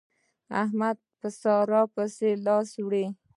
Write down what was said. احمد په سارا پسې لاس وړي.